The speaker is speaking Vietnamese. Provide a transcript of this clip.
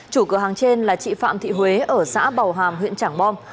chủ cửa hàng trên là chị phạm thị huế ở xã bào hàm huyện trảng bom